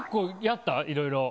いろいろ。